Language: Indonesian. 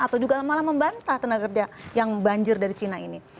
atau juga malah membantah tenaga kerja yang banjir dari cina ini